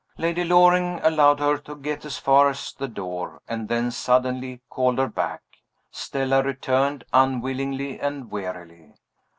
Lady Loring allowed her to get as far as the door, and then suddenly called her back. Stella returned unwillingly and wearily.